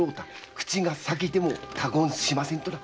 口が裂けても他言しません」とな。